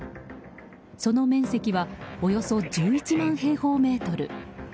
その面積はおよそ１１万平方メートル。